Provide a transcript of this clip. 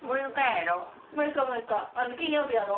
金曜日やろ？